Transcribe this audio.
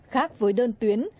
khác với đơn tuyến